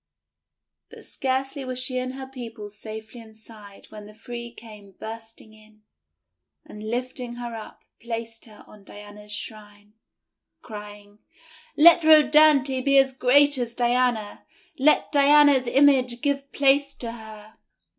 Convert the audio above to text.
But scarcely were she and her people safely inside when the three came bursting in, and, lifting her up, placed her on Diana's shrine, crying: — :<Let Rhodanthe be as great as Diana! Let Diana's image give place to her!'